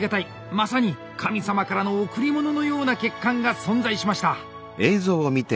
まさに神様からの贈り物のような血管が存在しました！